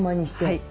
はい。